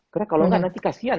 karena kalau nggak nanti kasian